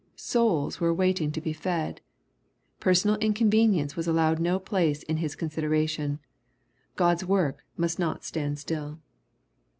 Souls were waiting to be fed. Per sonal inconvenience was allowed no place in His consid eration, Q od's work must not stand still.